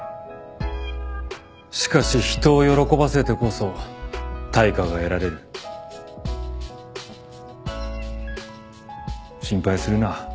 しかし人を喜ばせてこそ対価が得られる心配するな